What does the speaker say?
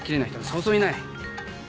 そうそういない。